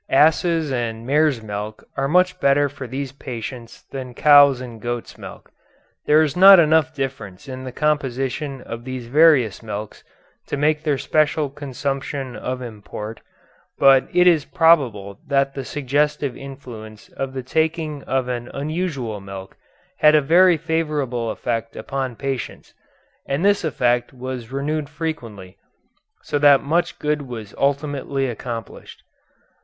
Asses' and mares' milk are much better for these patients than cows' and goats' milk. There is not enough difference in the composition of these various milks to make their special consumption of import, but it is probable that the suggestive influence of the taking of an unusual milk had a very favorable effect upon patients, and this effect was renewed frequently, so that much good was ultimately accomplished.